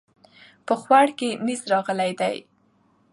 په خوړ کې نيز راغلی دی